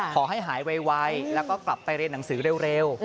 ขอให้หายไวแล้วก็กลับไปเรียนหนังสือเร็ว